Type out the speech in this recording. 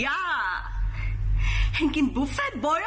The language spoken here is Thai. อย่าแห่งกินบุฟเฟทไหมล่ะ